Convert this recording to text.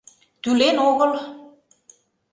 Тӱлен огыл.